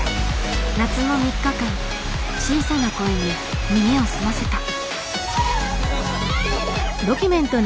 夏の３日間小さな声に耳を澄ませた。